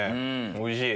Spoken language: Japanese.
おいしい。